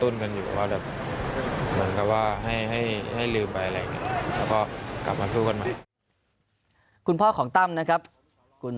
แล้วก็กลับมาสู้คนใหม่